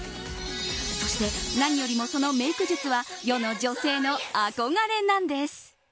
そして、何よりもそのメイク術は世の女性の憧れなんです。